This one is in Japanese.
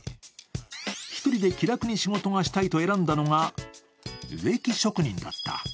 一人で気楽に仕事がしたいと選んだのが植木職人だった。